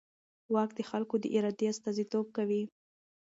واک د خلکو د ارادې استازیتوب کوي.